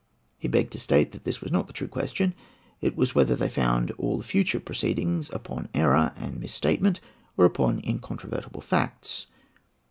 He begged to state this was not the true question: it was whether they would found all the future proceedings upon error and misstatement, or upon incontrovertible facts.